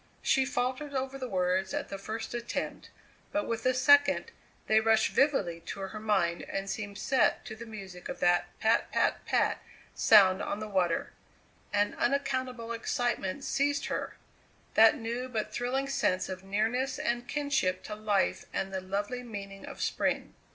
She faltered over the words at the first attempt, but with the second they rushed vividly to her mind and seemed set to the music of that "pat pat pat" sound on the water. An unaccountable excitement seized her that new but thrilling sense of nearness and kinship to life and the lovely meaning of spring.